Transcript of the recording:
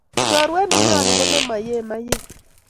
Chorwet ne nyalu ko nema yee maiyek